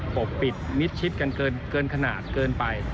ปกปิดมิดชิดกันเกินขนาดเกินไป